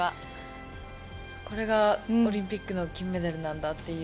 これがオリンピックの金メダルなんだっていう。